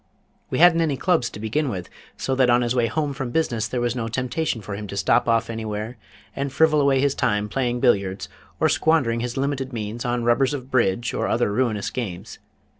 We hadn't any Clubs to begin with, so that on his way home from business there was no temptation for him to stop off anywhere and frivol away his time playing billiards, or squandering his limited means on rubbers of bridge or other ruinous games.